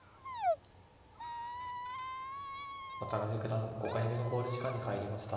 渡辺九段５回目の考慮時間に入りました。